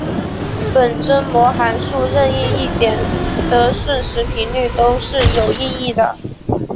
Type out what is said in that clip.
本征模函数任意一点的瞬时频率都是有意义的。